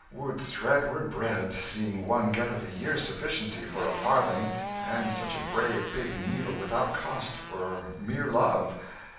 . Would thread were bread, seeing one getteth a year's sufficiency for a farthing, and such a brave big needle without cost, for mere love.